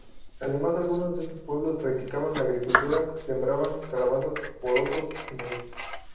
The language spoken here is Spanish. Además, algunos de estos pueblos practicaban la agricultura, sembraban calabazas, porotos y maíz.